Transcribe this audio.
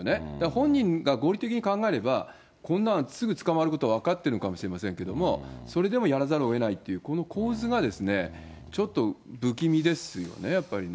本人が合理的に考えれば、こんなのすぐ捕まること分かってるかもしれませんけど、それでもやらざるをえないという、この構図が、ちょっと不気味ですよね、やっぱりね。